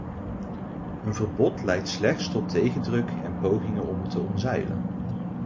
Een verbod leidt slechts tot tegendruk en pogingen om het te omzeilen.